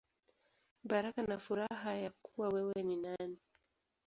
Baraka na Furaha Ya Kuwa Wewe Ni Nani.